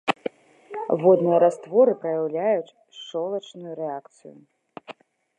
Водныя растворы праяўляюць шчолачную рэакцыю.